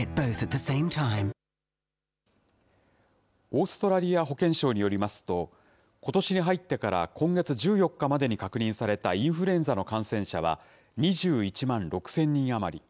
オーストラリア保健省によりますと、ことしに入ってから今月１４日までに確認されたインフルエンザの感染者は、２１万６０００人余り。